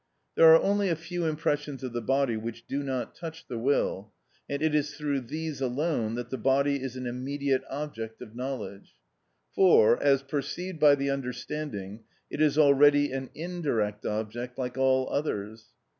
There are only a few impressions of the body which do not touch the will, and it is through these alone that the body is an immediate object of knowledge, for, as perceived by the understanding, it is already an indirect object like all others.